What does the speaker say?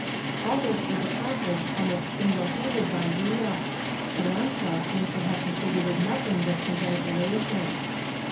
All this was accomplished ahnost single handed by ^yilla; Carranza seems to have contributed nothing but congratulations.